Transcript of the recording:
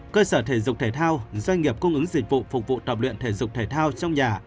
cơ sở thể dục thể thao doanh nghiệp cung ứng dịch vụ phục vụ tập luyện thể dục thể thao trong nhà